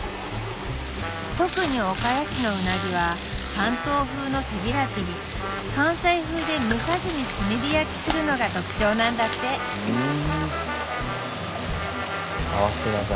特に岡谷市のうなぎは関東風の背開きに関西風で蒸さずに炭火焼きするのが特徴なんだってふん。